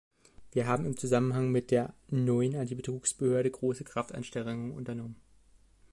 Wir haben im Zusammenhang mit der neuen Antibetrugsbehörde große Kraftanstrengungen unternommen.